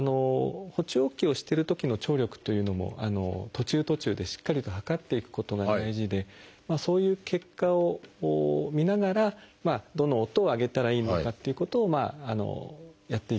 補聴器をしてるときの聴力というのも途中途中でしっかりと測っていくことが大事でそういう結果を見ながらどの音を上げたらいいのかっていうことをやっていく。